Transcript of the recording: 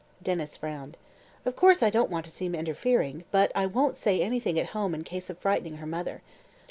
Denys frowned. "Of course I don't want to seem interfering, but I won't say anything at home in case of frightening her mother.